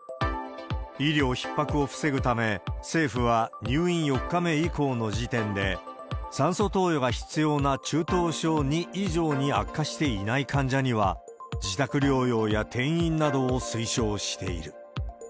医療ひっ迫を防ぐため、政府は入院４日目以降の時点で、酸素投与が必要な中等症２以上に悪化していない患者には、自宅療養や転院などを推奨している。